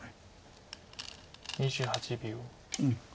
２８秒。